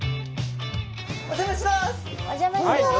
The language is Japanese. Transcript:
お邪魔します。